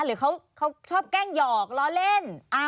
หรือเขาชอบแกล้งหยอกล้อเล่น